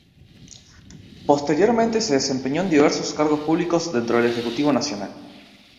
Posteriormente se desempeñó en diversos cargos públicos dentro del Ejecutivo Nacional.